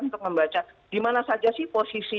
untuk membaca dimana saja sih posisi